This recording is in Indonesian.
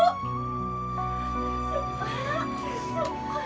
akhirnya bisa dibebaskan